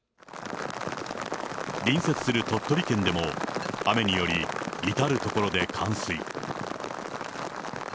隣接する鳥取県でも雨により、至る所で冠水。